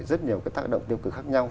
rất nhiều cái tác động tiêu cực khác nhau